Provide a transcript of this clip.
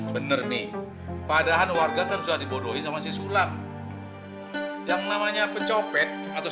bener nih padahal warga kan sudah dibodohin sama si sulam yang namanya pencopet atau